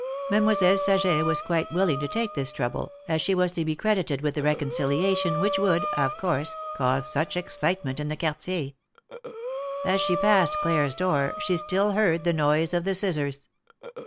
Mademoiselle Saget was quite willing to take this trouble, as she was to be credited with the reconciliation which would, of course, cause such excitement in the Quartier. As she passed Claire^s door she still heard the noise of the scissors.